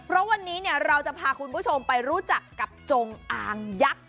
เพราะวันนี้เราจะพาคุณผู้ชมไปรู้จักกับจงอางยักษ์